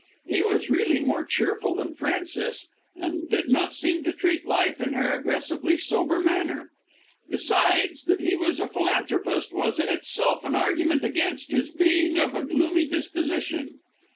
He was really more cheerful than Frances, and did not seem to treat life in her aggressively sober manner. Besides, that he was a philanthropist was in itself an argument against his being of a gloomy disposition.